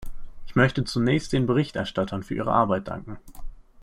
Ich möchte zunächst den Berichterstattern für ihre Arbeit danken.